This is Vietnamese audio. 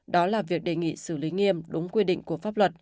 đó là việc đề nghị xử lý nghiêm đúng quy định của pháp luật